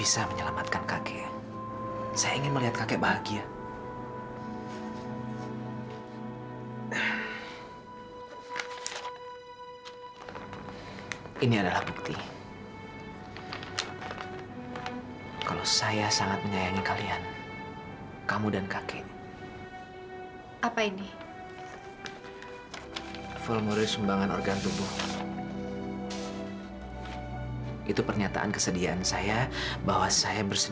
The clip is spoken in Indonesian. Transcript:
sampai jumpa di video selanjutnya